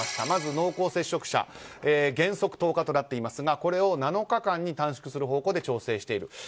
まず、濃厚接触者原則１０日となっていますがこれを７日間に短縮する方向で調整している。